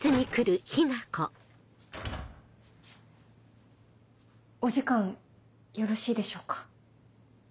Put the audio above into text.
・お時間よろしいでしょうか？